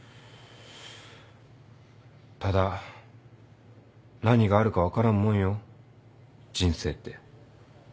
ただ何があるか分からんもんよ人生って。